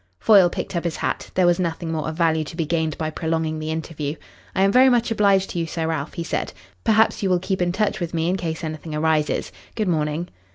Foyle picked up his hat. There was nothing more of value to be gained by prolonging the interview. "I am very much obliged to you, Sir Ralph," he said. "Perhaps you will keep in touch with me in case anything arises. Good morning."